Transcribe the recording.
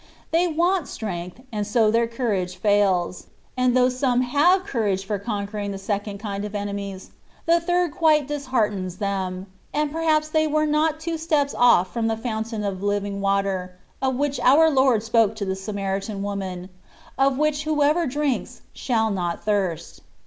They want strength, and so their courage fails; and though some have courage for conquering the second kind of enemies, the third quite disheartens them; and perhaps they were not two steps oflF from the " Fountain of Living Water,^^ of which our Lord spoke to the Samaritan woman, " of which who ever drinks, shall not thirst.